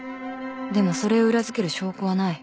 でもそれを裏付ける証拠はない